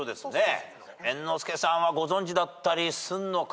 猿之助さんはご存じだったりすんのかな？